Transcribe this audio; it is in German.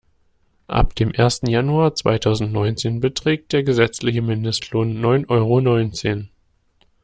Ab dem ersten Januar zweitausendneunzehn beträgt der gesetzliche Mindestlohn neun Euro neunzehn.